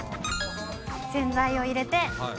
洗剤を入れて。